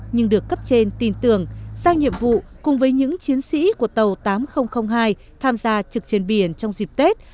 nhưng được cấp trên tin tưởng giao nhiệm vụ cùng với những chiến sĩ của tàu tám nghìn hai tham gia trực trên biển trong dịp tết